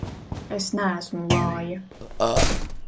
Es neesmu vāja!